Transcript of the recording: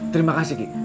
terima kasih ki